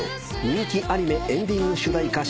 人気アニメエンディング主題歌